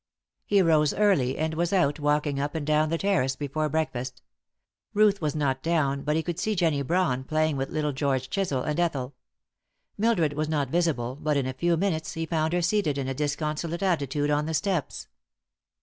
He rose early, and was out walking up and down the terrace before breakfast. Ruth was not down, but he could see Jennie Brawn playing with little George Chisel and Ethel. Mildred was not visible, but in a few minutes he found her seated in a disconsolate attitude on the steps.